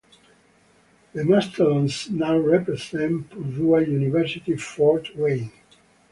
The Mastodons now represent Purdue University Fort Wayne.